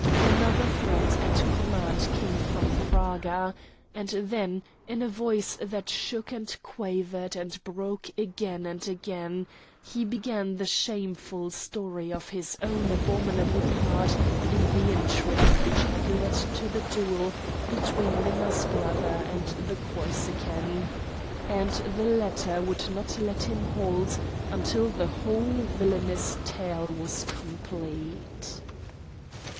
Another threat and command came from Praga, and then, in a voice that shook and quavered, and broke again and again, he began the shameful story of his own abominable part in the intrigue which had led to the duel between Minna's brother and the Corsican; and the latter would not let him halt until the whole villanous tale was complete.